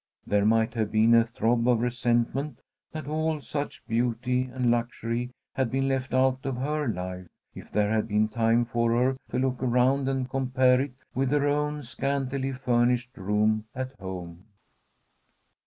There might have been a throb of resentment that all such beauty and luxury had been left out of her life, if there had been time for her to look around and compare it with her own scantily furnished room at home.